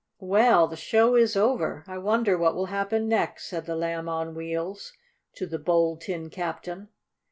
"Well, the show is over. I wonder what will happen next," said the Lamb on Wheels to the Bold Tin Captain.